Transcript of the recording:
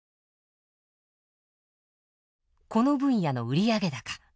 この分野の売上高。